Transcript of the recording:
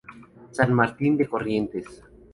San Martín de Corrientes.